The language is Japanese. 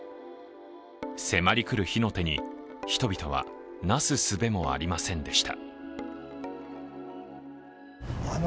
迫り来る火の手に人々はなすすべもありませんでした。